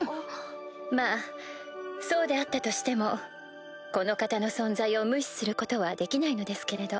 まぁそうであったとしてもこの方の存在を無視することはできないのですけれど。